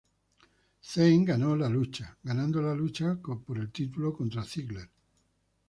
Zayn ganó la lucha, ganando la lucha por el título contra Ziggler.